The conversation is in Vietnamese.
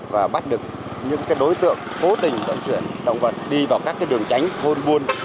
và bắt được những đối tượng cố tình vận chuyển động vật đi vào các đường tránh thôn buôn